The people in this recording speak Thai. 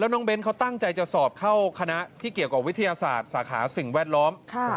น้องเบ้นเขาตั้งใจจะสอบเข้าคณะที่เกี่ยวกับวิทยาศาสตร์สาขาสิ่งแวดล้อม